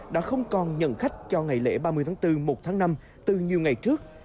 các phương án đã được nhận khách cho ngày lễ ba mươi tháng bốn một tháng năm từ nhiều ngày trước